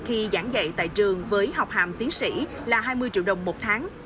khi giảng dạy tại trường với học hàm tiến sĩ là hai mươi triệu đồng một tháng